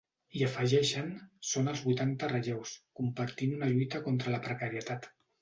I afegeixen: Són els vuitanta relleus, compartint una lluita contra la precarietat.